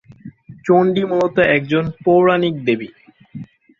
চণ্ডী মূলত একজন পৌরাণিক দেবী।